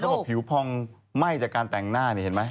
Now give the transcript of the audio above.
บอกผิวพองไหม้จากการแต่งหน้านี่เห็นไหม